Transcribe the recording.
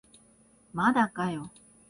まだかよ